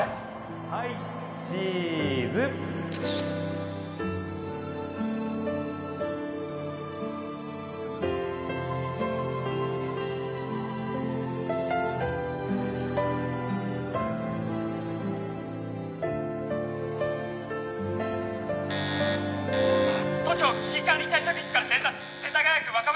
・はいチーズ都庁危機管理対策室から伝達世田谷区若林